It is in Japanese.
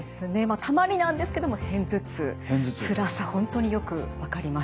たまになんですけども片頭痛つらさ本当によく分かります。